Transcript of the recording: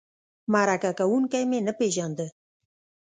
مرکه کوونکی مې نه پېژنده.